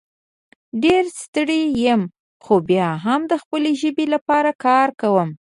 ډېر ستړی یم خو بیا هم د خپلې ژبې لپاره کار کوم